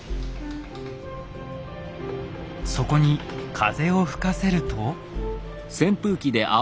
そこに風を吹かせると。